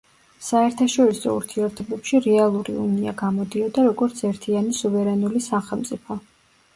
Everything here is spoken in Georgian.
საერთაშორისო ურთიერთობებში რეალური უნია გამოდიოდა როგორც ერთიანი სუვერენული სახელმწიფო.